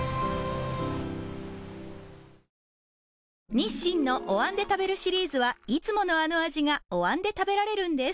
日清のお椀で食べるシリーズはいつものあの味がお椀で食べられるんです